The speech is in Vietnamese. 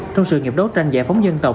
trong sự nghiệp đấu tranh giải phóng dân tộc